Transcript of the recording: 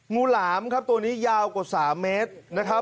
งูหลามตัวนี้ยาวกว่า๓เมตร